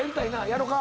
「やろか」